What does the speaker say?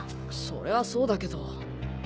そりゃあそうだけど。